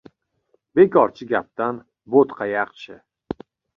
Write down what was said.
• Bekorchi gapdan bo‘tqa yaxshi.